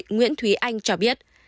nguyễn thúy anh cho biết